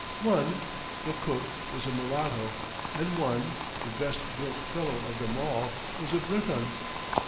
One, the cook was a mulatto; and one, the best built fellow of them all, was a Breton.